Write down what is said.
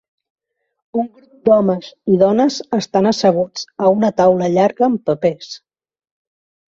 Un grup d'homes i dones estan asseguts a una taula llarga amb papers